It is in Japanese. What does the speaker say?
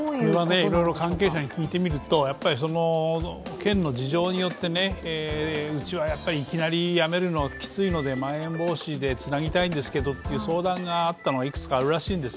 いろいろ関係者に聞いてみると県の事情によって、うちはいきなりやめるのきついのでまん延防止でつなぎたいんですけどという相談がいくつかあるらしいんです。